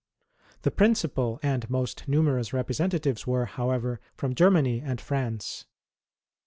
The principal and most numerous representatives were, however, from Germany and France.